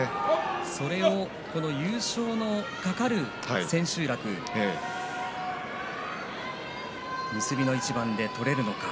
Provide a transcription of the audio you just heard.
それも優勝の懸かる千秋楽結びの一番で取れるのか。